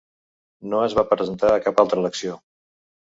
No es va presentar a cap altra elecció.